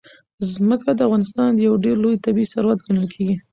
ځمکه د افغانستان یو ډېر لوی طبعي ثروت ګڼل کېږي.